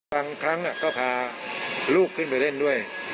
บางครั้งก็พาลูกขึ้นไปเล่นด้วย